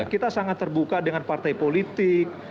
kita sangat terbuka dengan partai politik